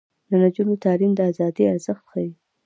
د نجونو تعلیم د ازادۍ ارزښت ښيي.